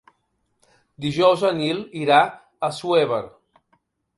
Dijous en Nil irà a Assuévar.